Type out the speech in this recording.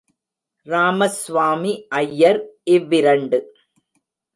ராமஸ்வாமி ஐயர் இவ்விரண்டு.